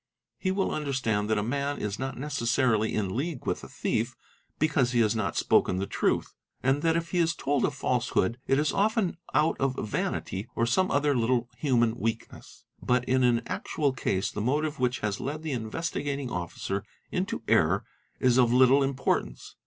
He will understand that a man is not necessarily in league with a thief because he has not spoken the truth, and that if he has told a falsehood it is often out of vanity or some other little human weakness. But in an actual case the motive which has led the Investigating Officer into error is of little importance.